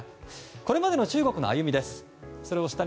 これまでの中国の歩みです。